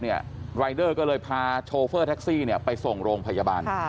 รายเดอร์ก็เลยพาโชเฟอร์แท็กซี่ไปส่งโรงพยาบาล